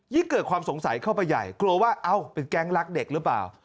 เกิดความสงสัยเข้าไปใหญ่กลัวว่าเอ้าเป็นแก๊งรักเด็กหรือเปล่า